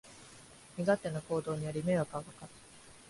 身勝手な行動により迷惑がかかる